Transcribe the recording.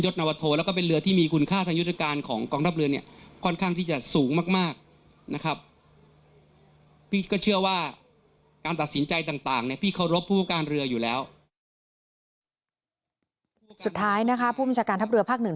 สุดท้ายนะคะผู้บัญชาการทัพเรือภาคหนึ่ง